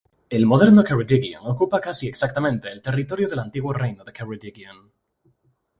El moderno Ceredigion ocupa casi exactamente el territorio del antiguo reino de Ceredigion.